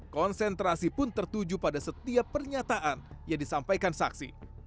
konsentrasi pun tertuju pada setiap pernyataan yang disampaikan saksi